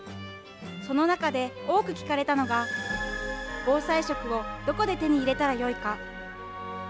その中で多く聞かれたのが、防災食をどこで手に入れたらよいか。